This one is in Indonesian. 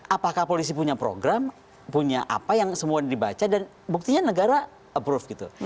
apakah polisi punya program punya apa yang semua dibaca dan buktinya negara approve gitu